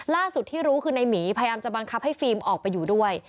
ที่รู้คือในหมีพยายามจะบังคับให้ฟิล์มออกไปอยู่ด้วย